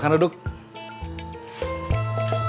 cepat berpindah ke tempat sm